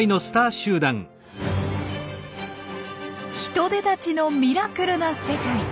ヒトデたちのミラクルな世界。